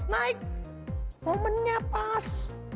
naik momennya pas